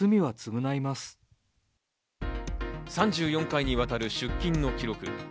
３４回にわたる出金の記録。